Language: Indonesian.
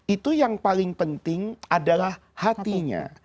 itu yang paling penting adalah hatinya